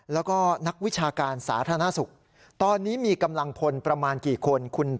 แล้วก็นักวิชาการสาธารณสุขตอนนี้มีกำลังพลประมาณกี่คน